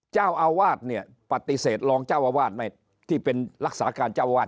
เจ้าอาวาสเนี่ยปฏิเสธรองเจ้าอาวาสที่เป็นรักษาการเจ้าวาด